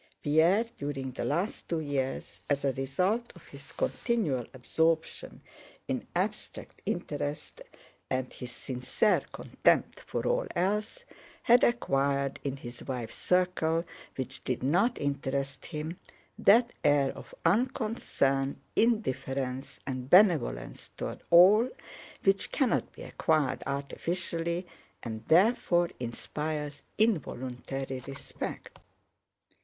Pierre during the last two years, as a result of his continual absorption in abstract interests and his sincere contempt for all else, had acquired in his wife's circle, which did not interest him, that air of unconcern, indifference, and benevolence toward all, which cannot be acquired artificially and therefore inspires involuntary respect.